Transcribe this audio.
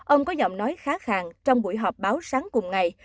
ông có giọng nói khá hàng trong buổi họp báo sáng cùng ngày